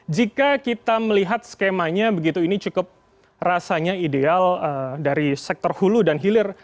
jika kita melihat skemanya begitu ini cukup rasanya ideal dari sektor hulu dan hilir